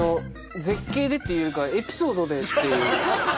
絶景でっていうかエピソードでっていう。